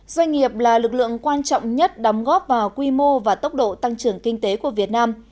doanh nghiệp là lực lượng quan trọng nhất đóng góp vào quy mô và tốc độ tăng trưởng kinh tế của việt nam